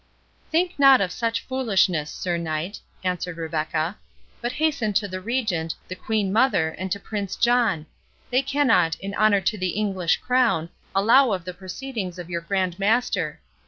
"Think not of such foolishness, Sir Knight," answered Rebecca, "but hasten to the Regent, the Queen Mother, and to Prince John—they cannot, in honour to the English crown, allow of the proceedings of your Grand Master.